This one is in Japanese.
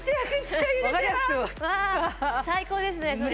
うわあ最高ですねそれ。